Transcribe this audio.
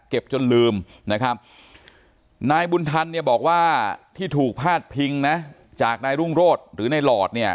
จนลืมนะครับนายบุญธรรมเนี่ยบอกว่าที่ถูกพาดพิงนะจากนายรุ่งโรธหรือในหลอดเนี่ย